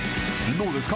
どうですか？